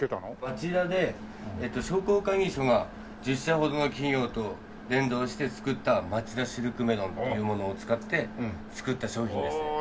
町田で商工会議所が１０社ほどの企業と連動して作ったまちだシルクメロンというものを使って作った商品ですね。